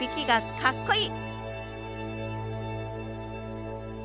かっこいい。